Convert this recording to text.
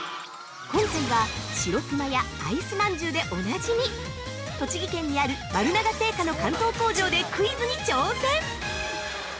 ◆今回は、白くまやあいすまんじゅうでおなじみ、栃木県にある丸永製菓の関東工場でクイズに挑戦！